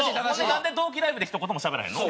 なんで同期ライブでひと言もしゃべらへんの？